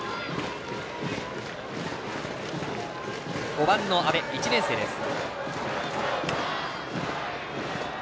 ５番の阿部、１年生です。